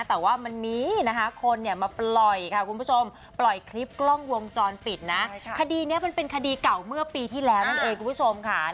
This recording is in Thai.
แต่ว่ามันมีคนมาปล่อยคลิปกล้องวงจรปิดคดีนี้เป็นคดีเก่าเมื่อปีที่แล้วนั่นเองคุณผู้ชม